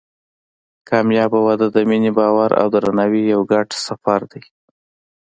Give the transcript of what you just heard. کامیابه واده د مینې، باور او درناوي یو ګډ سفر دی.